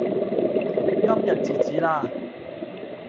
今日截止啦